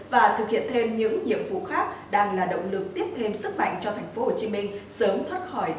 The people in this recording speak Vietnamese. và thực hiện thêm những nhiệm vụ khác đang là động lực tiếp thêm sức mạnh cho tp hcm sớm thoát khỏi